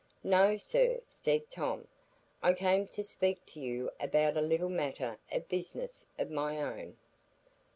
"No, sir," said Tom; "I came to speak to you about a little matter of business of my own."